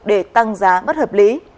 để tăng giá bất hợp lý